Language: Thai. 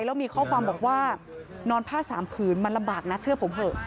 แล้วมีข้อความบอกว่านอนผ้าสามผืนมันลำบากนะเชื่อผมเถอะ